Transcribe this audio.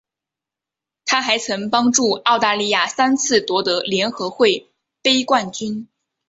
她还曾帮助澳大利亚三次夺得联合会杯冠军。